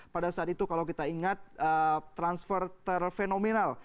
pada saat itu kalau kita ingat transfer terfenomenal